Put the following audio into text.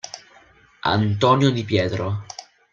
Antonio di Pietro.